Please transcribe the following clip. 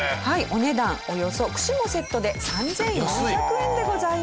お値段およそ串もセットで３４００円でございます。